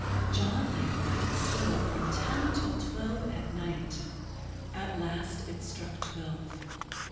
John lay quite still from ten till twelve at night. At last it struck twelve.